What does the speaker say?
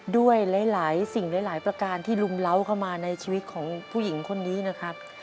ด้วยหลายสิ่งหลายประการที่ลุมเล้าเข้ามาในชีวิตของผู้หญิงคนนี้นะครับ